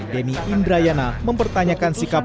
demi indrayana mempertanyakan sikapnya